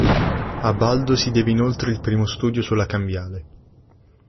A Baldo si deve inoltre il primo studio sulla cambiale.